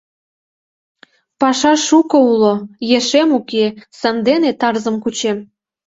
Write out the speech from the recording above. — Паша шуко уло, ешем уке, сандене тарзым кучем.